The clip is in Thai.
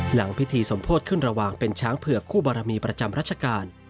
หลังพิธีสมโพธิขึ้นระหว่างเป็นช้างเผือกคู่บารมีประจำรัชกาล